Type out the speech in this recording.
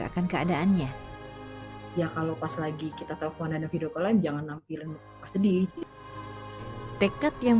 akan keadaannya ya kalau pas lagi kita telepon ada video callan jangan nampilin sedih tekad yang